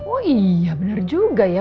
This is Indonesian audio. oh iya benar juga ya